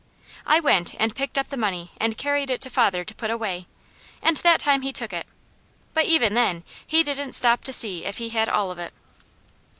I went and picked up the money and carried it to father to put away, and that time he took it. But even then he didn't stop to see if he had all of it.